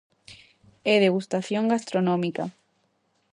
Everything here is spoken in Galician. E degustación gastronómica.